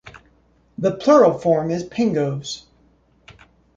The plural form is "pingos".